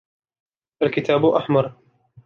الكتاب أحمر.